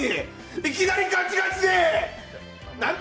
いきなりガチガチで！